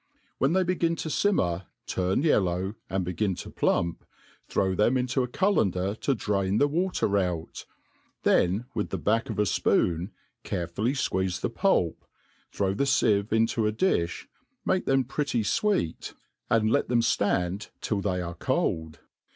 When they begin to fimmer, turn yellow, and begin to plump, throw them into a cullender to drain the water out ; then with the back of a fpoon carefully fqu^e^e the pulp, throw the fieve into a difli, make them pret ty fweet, and let them ftand till they are cold.